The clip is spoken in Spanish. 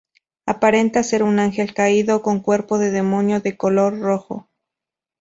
Aparenta ser un ángel caído, con cuerpo de demonio de color rojo.